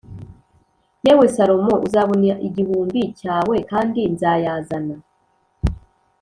Yewe Salomo uzabona igihumbi cyawe Kandi nzayazana